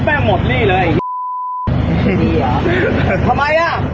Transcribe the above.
พอมายกูใหญ่มากหรอ